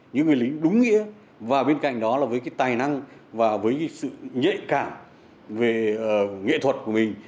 những người lính đúng nghĩa và bên cạnh đó là với cái tài năng và với cái sự nhạy cảm về nghệ thuật của mình